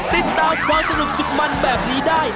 ติดตามความสนุกสุดมันแบบนี้ได้